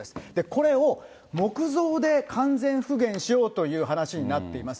これを木造で完全復元しようという話になっています。